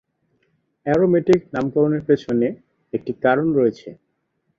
Aromatic নামকরনের পেছনে একটি কারণ রয়েছে।